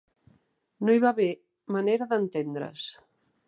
No hi va haver manera d'entendre's